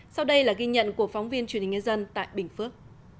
sau đây là ghi nhận của phóng viên truyền hình nhân dân tại bình phước